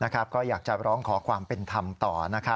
ก็อยากจะร้องขอความเป็นธรรมต่อ